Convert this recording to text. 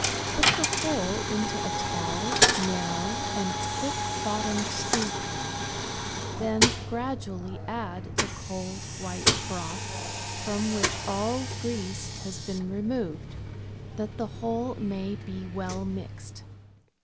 Put the whole into a tall, narrow, and thick bottomed stewpan ; then gradually add the cold, white broth, from which all grease has been removed, that the whole may be well mixed.